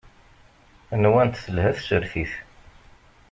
Nwant telha tsertit.